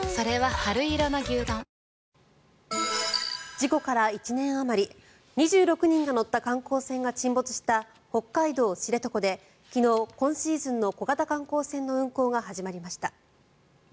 事故から１年あまり２６人が乗った観光船が沈没した北海道・知床で昨日、今シーズンの小型観光船の運航が始まりました。